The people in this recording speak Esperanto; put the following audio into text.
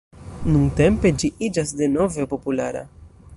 Nuntempe ĝi iĝas denove populara.